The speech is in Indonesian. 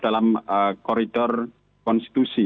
dalam koridor konstitusi